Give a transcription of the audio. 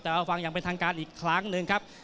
แต่เราฟังอย่างเป็นทางการอีกครั้งหนึ่งครับ